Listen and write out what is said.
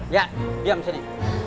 ya diam disini